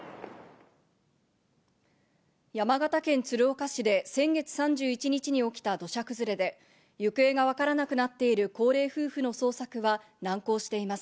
山形県鶴岡市で先月３１日に起きた土砂崩れで行方がわからなくなっている高齢夫婦の捜索は難航しています。